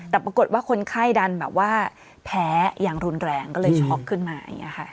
แต่ปรากฏว่าคนไข้ดันแบบว่าแพ้อย่างรุนแรงก็เลยช็อกขึ้นมาอย่างนี้ค่ะ